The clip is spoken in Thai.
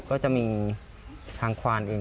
ก็จะมีทางควานเอง